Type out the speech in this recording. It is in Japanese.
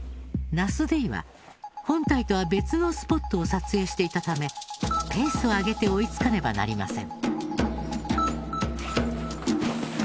ナスＤは本隊とは別のスポットを撮影していたためペースを上げて追い付かねばなりません。